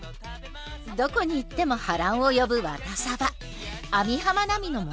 どこに行っても波乱を呼ぶワタサバ網浜奈美の物語。